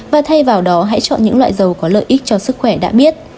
và thay vào đó hãy chọn những loại dầu có lợi ích cho sức khỏe đã biết